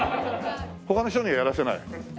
他の人にはやらせない？